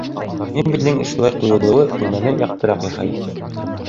Мебелдең шулай ҡуйылыуы бүлмәне яҡтыраҡ яһай